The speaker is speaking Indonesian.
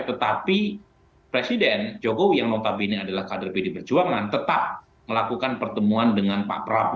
tetapi presiden jokowi yang notabene adalah kader pdi perjuangan tetap melakukan pertemuan dengan pak prabowo